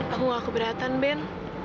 aku gak keberatan ben